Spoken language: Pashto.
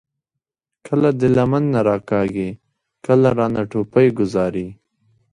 کله د لمن نه راکاږي، کله رانه ټوپۍ ګوذاري ـ